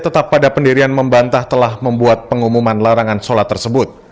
tetap pada pendirian membantah telah membuat pengumuman larangan sholat tersebut